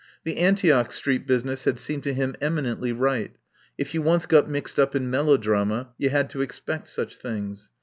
The Antioch Street business had seemed to him eminently right; if you once got mixed up in melodrama you had to expect such things.